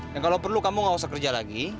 dan kalau perlu kamu nggak usah kerja lagi